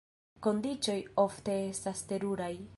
Kondiĉoj ofte estas teruraj.